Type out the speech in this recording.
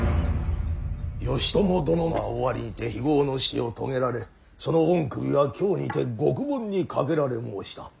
義朝殿は尾張にて非業の死を遂げられその御首は京にて獄門にかけられ申した。